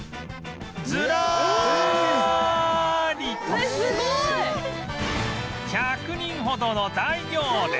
ズラリと１００人ほどの大行列